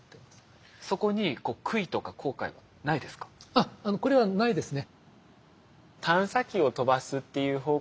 あっこれはないですね。